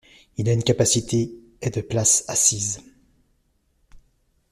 Il a une capacité est de places assises.